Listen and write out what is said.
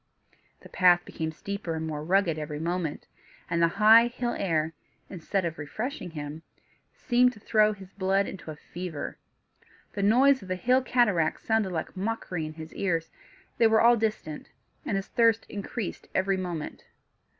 The path became steeper and more rugged every moment; and the high hill air, instead of refreshing him, seemed to throw his blood into a fever. The noise of the hill cataracts sounded like mockery in his ears; they were all distant, and his thirst increased every moment.